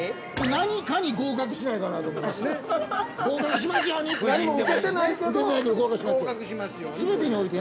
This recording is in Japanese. ◆何かに合格しないかなと思いまして。